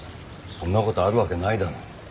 そんな事あるわけないだろう。